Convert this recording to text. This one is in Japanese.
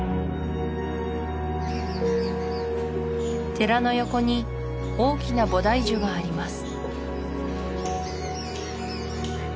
寺の横に大きな菩提樹があります